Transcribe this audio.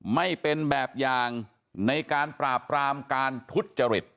ไม่เป็นแบบอย่างในการปราบปรามการทุจริต